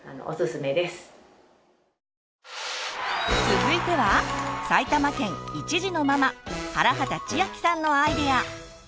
続いては埼玉県１児のママ原畠千晃さんのアイデア！